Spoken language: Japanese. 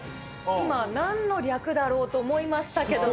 今、何の略だろうと思いましたけれども。